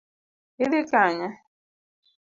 Idhi Kanye?